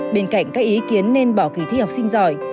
bên cạnh các ý kiến nên bỏ kỳ thi học sinh giỏi